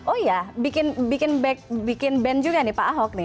oh iya bikin band juga nih pak ahok nih